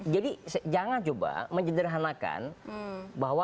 jadi jangan coba menjederhanakan bahwa